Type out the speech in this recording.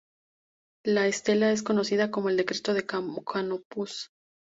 La estela es conocida como el Decreto de Canopus.